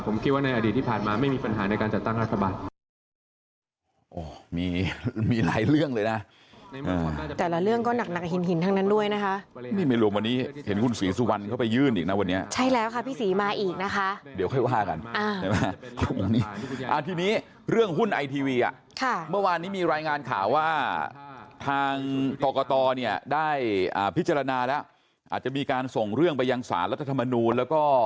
ผมคิดว่าในอดีตที่ผ่านมาไม่มีปัญหาในการจัดตั้งรัฐบาล